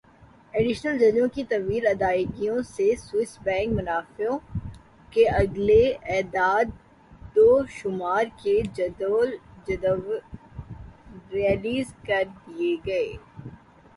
additional ججوں کی طویل ادائیگیوں سے سوئس بینک منافعوں کے اگلے اعدادوشمار کے جدول ریلیز کر دیے گئے